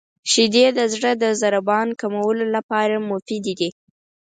• شیدې د زړه د ضربان کمولو لپاره مفیدې دي.